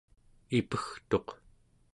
ipegtuq